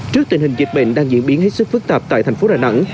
trước tình hình dịch bệnh đang diễn biến hết sức phức tạp tại thành phố đà nẵng